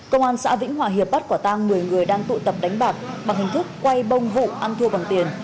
công an xã vĩnh hòa hiệp bắt quả tang một mươi người đang tụ tập đánh bạc bằng hình thức quay bông vụ ăn thua bằng tiền